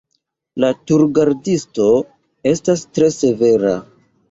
La turgardisto estas tre severa.